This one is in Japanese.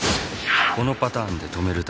このパターンで止めるために。